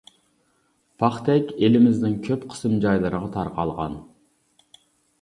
پاختەك، ئېلىمىزنىڭ كۆپ قىسىم جايلىرىغا تارقالغان.